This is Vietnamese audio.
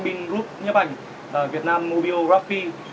admin group nhớ bảnh việt nam mobile graphic